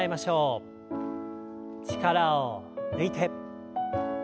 力を抜いて。